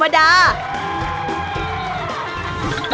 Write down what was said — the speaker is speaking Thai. ตอนร้านข่าวอาทิตย์นี้๑๔นาฬิกานะจ๊ะ